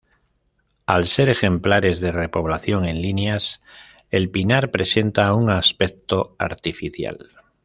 Al ser ejemplares de repoblación en líneas, el pinar presenta un aspecto artificial.